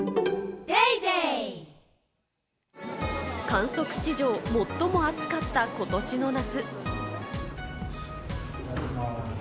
観測史上最も暑かったことしの夏。